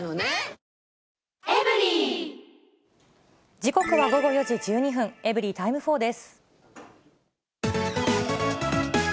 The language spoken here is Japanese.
時刻は午後４時１２分、エブリィタイム４です。